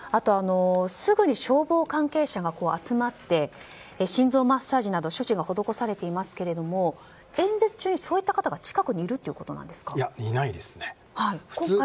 すぐに消防関係者が集まって心臓マッサージなどの処置が施されていますが演説中にそういった方が近くにいるいないですね。